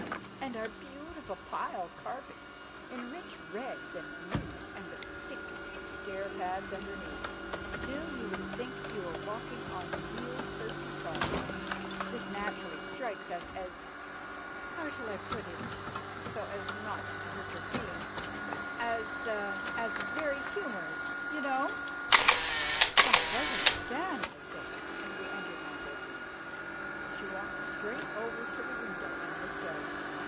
"—And our beautiful pile carpet, in rich reds and blues, and the thickest of stair pads underneath, till you would think you were walking on real Turkey carpet, this naturally strikes us as—how shall I put it so as not to hurt your feelings?—as—as very humorous, you know!" "I quite understand," I said, as we entered my bedroom. She walked straight over to the window and looked out.